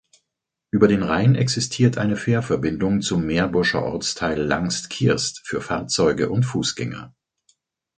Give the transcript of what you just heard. Über den Rhein existiert eine Fährverbindung zum Meerbuscher Ortsteil Langst-Kierst für Fahrzeuge und Fußgänger.